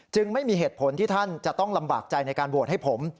ไม่มีเหตุผลที่ท่านจะต้องลำบากใจในการโหวตให้ผม